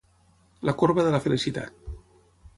La corba de la felicitat.